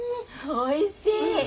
おいしい。